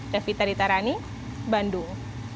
davita ditarani bandung